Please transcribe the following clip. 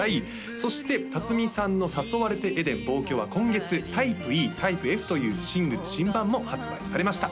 そして辰巳さんの「誘われてエデン／望郷」は今月タイプＥタイプＦというシングル新盤も発売されました